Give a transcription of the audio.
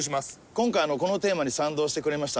今回のこのテーマに賛同してくれました